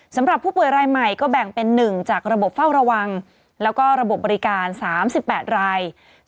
สำหรับผู้ป่วยรายใหม่ก็แบ่งเป็น๑จากระบบเฝ้าระวังแล้วก็ระบบบบริการ๓๘ราย